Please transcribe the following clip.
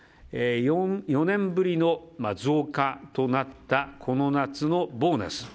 ４年ぶりの増加となったこの夏のボーナス。